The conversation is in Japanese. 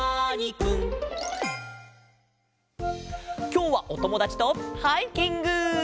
きょうはおともだちとハイキング！